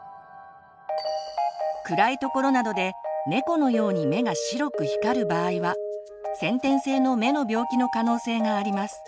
暗いところなどで猫のように目が白く光る場合は先天性の目の病気の可能性があります。